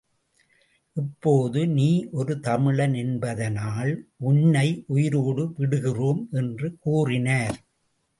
இப்போது நீ ஒரு தமிழன் என்பதினால் உன்னை உயிரோடு விடுகிறோம் என்று கூறினார்.